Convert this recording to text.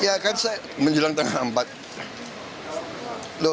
ya kan menjelang tanggal empat